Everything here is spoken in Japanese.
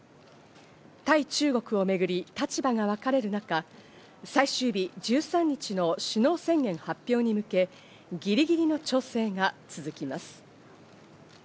対中国をめぐり立場が分かれる中、最終日１３日の首脳宣言発表に向け、ぎりぎりの調整が続きます。